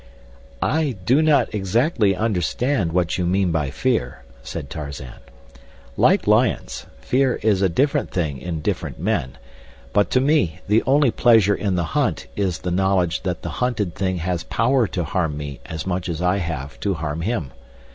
"I do not exactly understand what you mean by fear," said Tarzan. "Like lions, fear is a different thing in different men, but to me the only pleasure in the hunt is the knowledge that the hunted thing has power to harm me as much as I have to harm him.